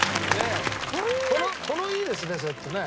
このいいですねセットね。